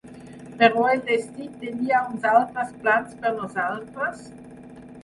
Però el destí tenia uns altres plans per nosaltres?